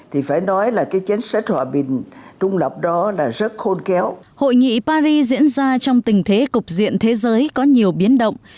hội nghị paris diễn ra trong tình thế cục diện thế giới có nhiều biến động